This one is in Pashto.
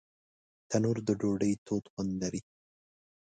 تنور د ډوډۍ تود خوند لري